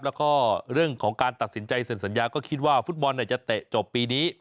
แล้วก็เรื่องของการตัดสินใจเซ็นสัญญาก็คิดว่าฟุตบอลจะเตะจบปีนี้